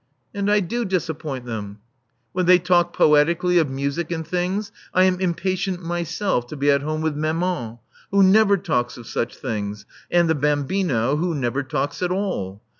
And I do disappoint them. When they talk poetically of music and things, I am impatient myself to be at home with nianian^ who never talks of such things, and the bambino^ [who never talks at all.